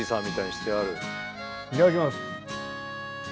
いただきます。